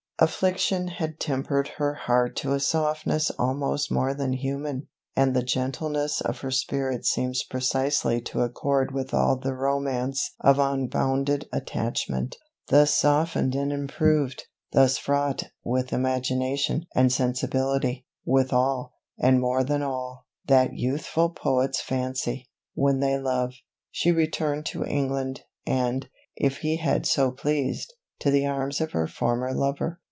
Affliction had tempered her heart to a softness almost more than human; and the gentleness of her spirit seems precisely to accord with all the romance of unbounded attachment. Thus softened and improved, thus fraught with imagination and sensibility, with all, and more than all, "that youthful poets fancy, when they love," she returned to England, and, if he had so pleased, to the arms of her former lover.